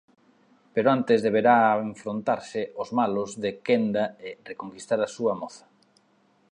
Pero antes deberá enfrontarse ós malos de quenda e reconquistar á súa moza.